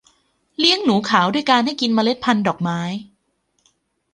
เลี้ยงหนูขาวด้วยการให้กินเมล็ดพันธ์ดอกไม้